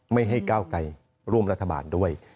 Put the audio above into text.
ไม่ให้ก้าวไกลร่วมรัฐบาลด้วย